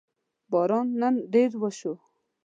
باران نن ډېر وشو